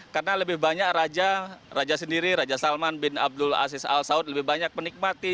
karena lebih banyak raja raja sendiri raja salman bin abdul aziz al saud lebih banyak menikmati